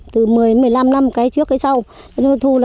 từ một mươi một mươi năm năm cái trước cái sau